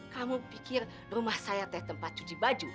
kamu pikir rumah saya teh tempat cuci baju